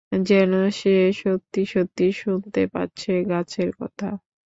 যেন সে সত্যি-সত্যি শুনতে পাচ্ছে গাছের কথা!